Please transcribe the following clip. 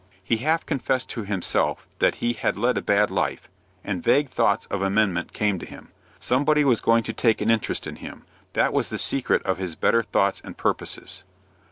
He half confessed to himself that he had led a bad life, and vague thoughts of amendment came to him. Somebody was going to take an interest in him. That was the secret of his better thoughts and purposes.